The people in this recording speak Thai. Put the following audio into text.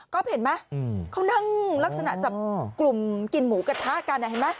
ครับเห็นไหมเขานั่งลักษณะกลุ่มกินหมูกระทะกัน